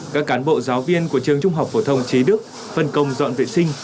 các cán bộ giáo viên của trường trung học phổ thông trí đức phân công dọn vệ sinh